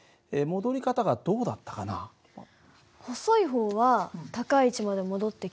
細い方は高い位置まで戻ってきたけど。